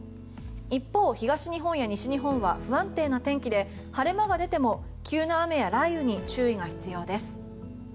一方、東日本や西日本は不安定な天気で晴れ間が出ても急な雨や雷雨に注意が必要です。